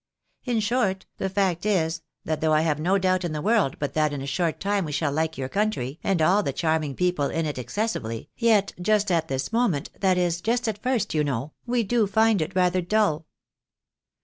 In short, the fact is, that though I have no doubt in the world but that in a short time we shall like your country, and all the charming people in it excessively, yet just at this moment, that is, just at first, you know, we do find it rather dull."